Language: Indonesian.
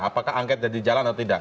apakah angket jadi jalan atau tidak